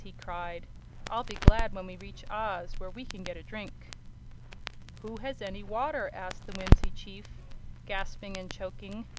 he cried. "I'll be glad when we reach Oz, where we can get a drink." "Who has any water?" asked the Whimsie Chief, gasping and choking.